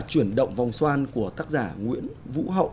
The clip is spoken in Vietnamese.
chuyển động vòng xoan của tác giả nguyễn vũ hậu